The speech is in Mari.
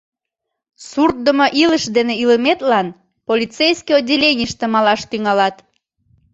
— Суртдымо илыш дене илыметлан полицейский отделенийыште малаш тӱҥалат.